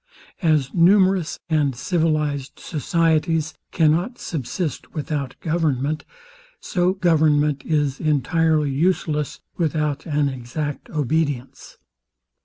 As numerous and civilized societies cannot subsist without government, so government is entirely useless without an exact obedience.